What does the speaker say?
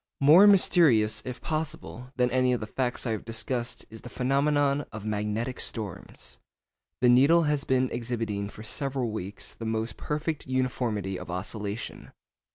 More mysterious, if possible, than any of the facts I have discussed is the phenomenon of magnetic storms. The needle has been exhibiting for several weeks the most perfect uniformity of oscillation.